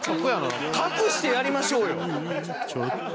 隠してやりましょうよ！